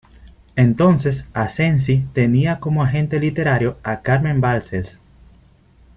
Entonces, Asensi tenía como agente literario a Carmen Balcells.